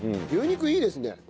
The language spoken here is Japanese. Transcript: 牛肉いいですね。